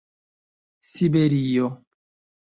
siberio